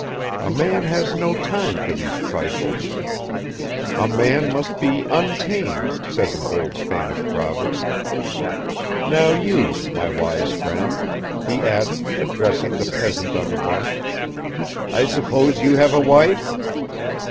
A man has no time for these trifles. A man must be untamed, says an old Spanish proverb. Now you, my wise friend," he added, addressing the peasant on the box. "I suppose you have a wife?"